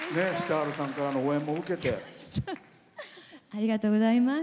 ありがとうございます。